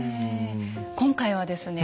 今回はですね